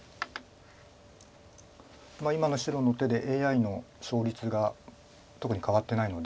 今の白の手でＡＩの勝率が特に変わってないので。